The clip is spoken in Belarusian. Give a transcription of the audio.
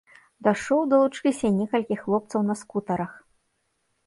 Да шоу далучыліся і некалькі хлопцаў на скутарах.